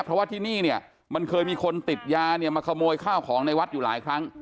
เพราะว่าที่นี่เนี่ยมันเคยมีคนติดยาเนี่ยมาขโมยข้าวของในวัดอยู่หลายครั้ง